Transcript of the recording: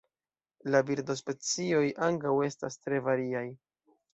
La birdospecioj ankaŭ estas tre variaj.